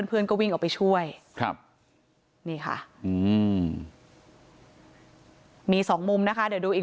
เพื่อนก็วิ่งออกไปช่วยครับนี่ค่ะอืมมีสองมุมนะคะเดี๋ยวดูอีก